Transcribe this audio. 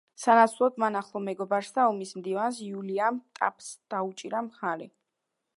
სანაცვლოდ მან ახლო მეგობარს და ომის მდივანს უილიამ ტაფტს დაუჭირა მხარი.